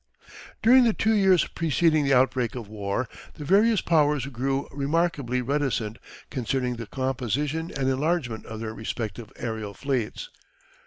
During the two years preceding the outbreak of war the various Powers grew remarkably reticent concerning the composition and enlargement of their respective aerial fleets.